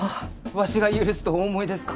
わしが許すとお思いですか？